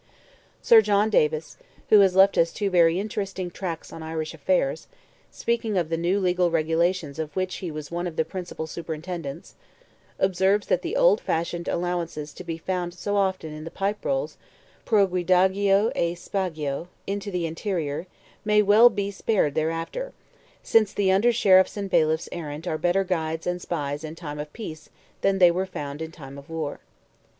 Sir John Davis, who has left us two very interesting tracts on Irish affairs, speaking of the new legal regulations of which he was one of the principal superintendents, observes that the old fashioned allowances to be found so often in the Pipe Rolls, pro guidagio et spiagio, into the interior, may well be spared thereafter, since "the under sheriffs and bailiffs errant are better guides and spies in time of peace than they were found in time of war."